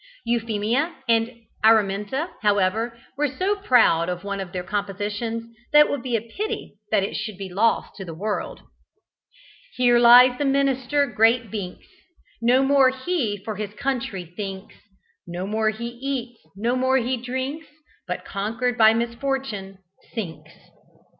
Euphemia and Araminta, however, were so proud of one of their compositions, that it would be a pity that it should be lost to the world: "Here lies the minister, great Binks, No more he for his country thinks; No more he eats no more he drinks But, conquered by misfortune, sinks."